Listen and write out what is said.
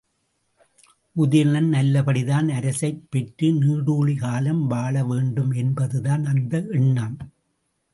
உதயணன் நல்லபடி தன் அரசைப் பெற்று நீடுழி காலம் வாழ வேண்டும் என்பதுதான் அந்த எண்ணம்!